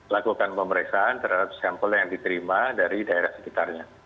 lakukan pemeriksaan terhadap sampel yang diterima dari daerah sekitarnya